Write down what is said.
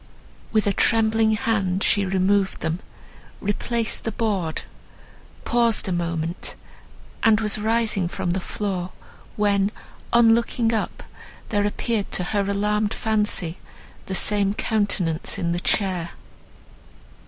With a trembling hand she removed them, replaced the board, paused a moment, and was rising from the floor, when, on looking up, there appeared to her alarmed fancy the same countenance in the chair.